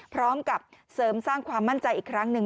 พร้อมกับเสริมสร้างความมั่นใจอีกครั้งหนึ่ง